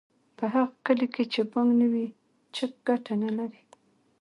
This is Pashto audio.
په هغه کلي کې چې بانک نه وي چک ګټه نلري